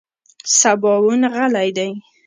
سباوون غلی دی .